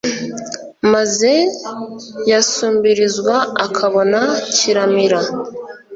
maze yasumbirizwa akabona kiramira